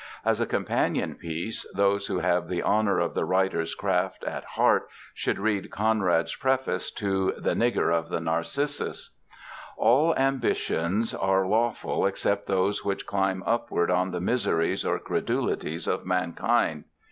As a companion piece, those who have the honor of the writer's craft at heart should read Conrad's preface to The Nigger of the Narcissus. "All ambitions are lawful except those which climb upward on the miseries or credulities of mankind."